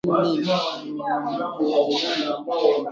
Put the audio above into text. Upungufu wa maji mwilini